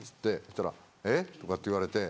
したら「え？」とかって言われて。